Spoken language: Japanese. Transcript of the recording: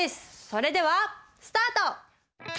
それではスタート！